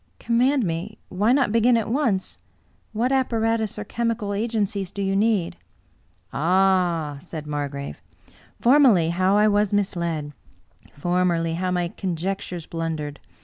" Command me. Why not begin at once? ' What appa ratus or chemical agencies do you need? "" Ah !" said Margrave. " Formerly, how I was misled t Formerly, how my conjectures blundered